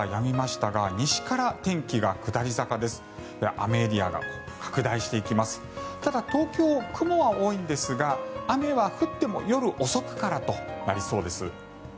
ただ、東京、雲は多いんですが雨は降っても夜遅くからとなりそうです。